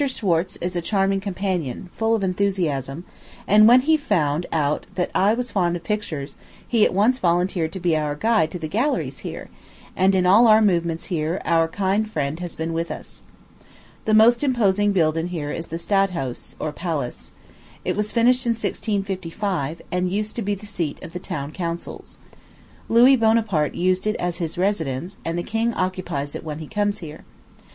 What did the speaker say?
Schwartze is a charming companion full of enthusiasm; and when he found that I was fond of pictures, he at once volunteered to be our guide to the galleries here; and in all our movements here our kind friend has been with us. The most imposing building here is the Stadhuis, or Palace. It was finished in 1655, and used to be the seat of the town councils. Louis Bonaparte used it as his residence; and the king occupies it when he comes here.